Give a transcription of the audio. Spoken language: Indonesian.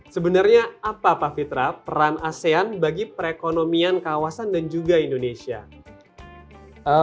sebenarnya apa pak fitra peran asean bagi perekonomian kawasan dan juga indonesia